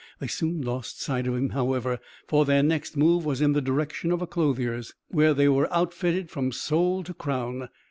They soon lost sight of him, however, for their next move was in the direction of a clothier's, where they were outfitted from sole to crown.